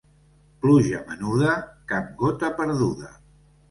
Pluja menuda, cap gota perduda.